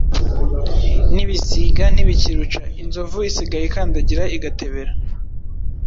n’ibisiga ntibikiruca, inzovu isigaye ikandagira igatebera ,